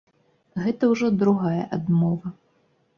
Гэта ўжо другая адмова.